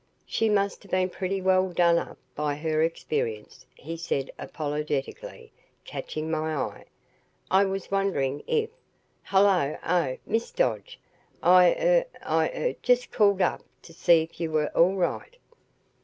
"She must have been pretty well done up by her experience," he said apologetically, catching my eye. "I was wondering if Hello oh, Miss Dodge I er I er just called up to see if you were all right."